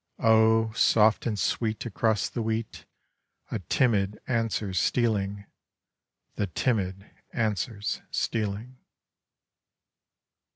O, soft and sweet across the wheat, A timid answer's stealing, The timid answer's stealing.